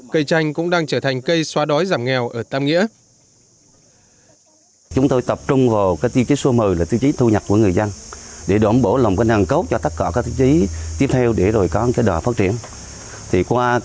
cây chanh cũng đang trở thành cây xóa đói giảm nghèo ở tam nghĩa